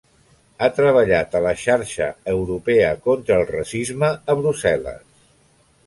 Ha treballat a la Xarxa Europea Contra el Racisme a Brussel·les.